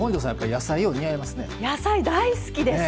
野菜大好きです。